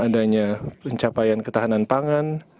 adanya pencapaian ketahanan pangan